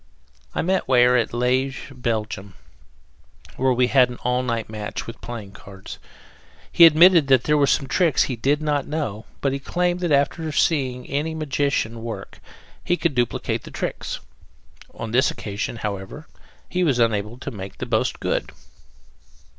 I met Weyer at Liege, Belgium, where we had an all night match with playing cards. He admitted that there were some tricks he did not know, but he claimed that after once seeing any magician work he could duplicate the tricks. On this occasion, however, he was unable to make the boast good.